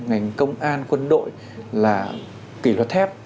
ngành công an quân đội là kỷ luật thép